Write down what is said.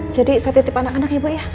jadi saya titip anak anak ya bu ya